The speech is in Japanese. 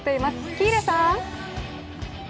喜入さん！